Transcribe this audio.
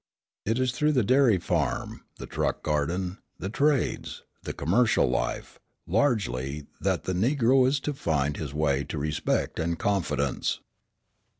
It is through the dairy farm, the truck garden, the trades, the commercial life, largely, that the Negro is to find his way to respect and confidence.